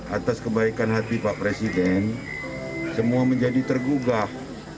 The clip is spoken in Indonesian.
atas kebaikan hati pak presiden semua menjadi tergugah